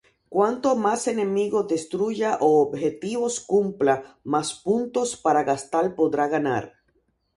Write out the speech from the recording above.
Cuantos más enemigos destruya o objetivos cumpla más puntos para gastar podrá ganar.